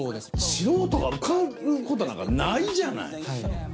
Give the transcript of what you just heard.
素人が受かることなんかないじゃない？